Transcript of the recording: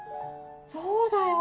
そうだよ！